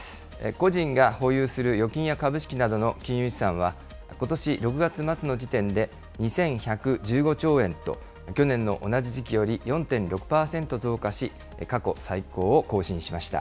個人が保有する預金や株式などの金融資産は、ことし６月末の時点で２１１５兆円と、去年の同じ時期より４．６％増加し、過去最高を更新しました。